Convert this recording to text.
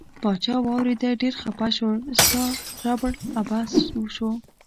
پاچا واوریده ډیر خپه شو ستا ربړ عبث شو.